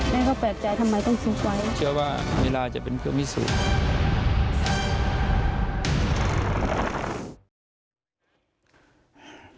แม่ก็แปลกใจทำไมต้องซุกไว้เชื่อว่าลีลาจะเป็นเครื่องพิสูจน์